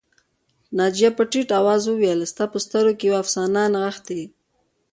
ناجیه په ټيټ آواز وویل ستا په سترګو کې یوه افسانه نغښتې